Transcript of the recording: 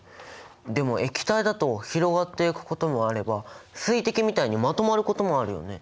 でも液体だと広がっていくこともあれば水滴みたいにまとまることもあるよね？